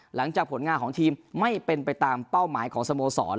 หลังจากผลงานของทีมไม่เป็นไปตามเป้าหมายของสโมสร